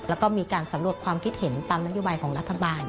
แล้วก็มีการสำรวจความคิดเห็นตามนโยบายของรัฐบาล